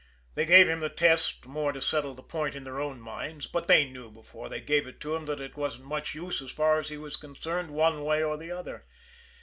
They gave him the test more to settle the point in their own minds, but they knew before they gave it to him that it wasn't much use as far as he was concerned one way or the other.